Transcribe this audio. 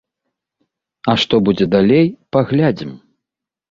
А што будзе далей, паглядзім.